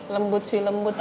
lembut sih lembut